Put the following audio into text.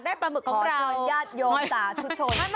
เดี๋ยวปลาหมึกของเราไอ้แม่พวกเราก็มีจะมามาจำหน่าย๓๖๐๐นะครับ๓๖๐๐